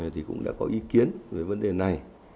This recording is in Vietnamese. thì cũng đã có ý kiến về vấn đề này